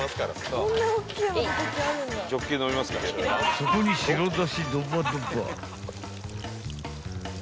［そこに白だしドバドバ］